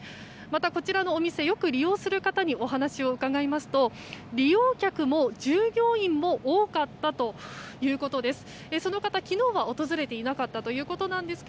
また、こちらのお店よく利用する方にお話を伺いますと利用客も従業員も多かったということです。